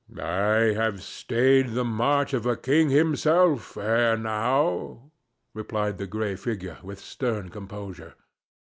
"I have stayed the march of a king himself ere now," replied the gray figure, with stern composure.